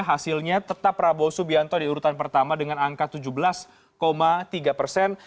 hasilnya tetap prabowo subianto di urutan pertama dengan angka tujuh belas tiga persen